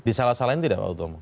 disalah salahin tidak pak utomo